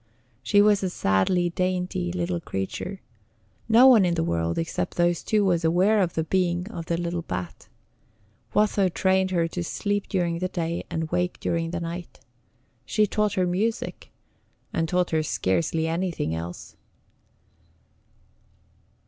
She was a sadly dainty little creature. No one in the world except those two was aware of the being of the little bat. Watho trained her to sleep during the day, and wake during the night. She taught her music, and taught her scarcely anything else.